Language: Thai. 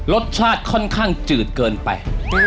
รสชาติค่อนข้างจืดเกินไป